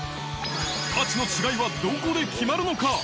価値の違いはどこで決まるのか。